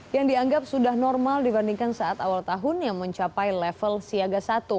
yang dianggap sudah normal dibandingkan saat awal tahun yang mencapai level siaga satu